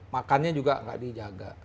makannya juga gak dijaga